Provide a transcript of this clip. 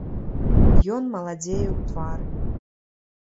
Ён маладзее ў твары.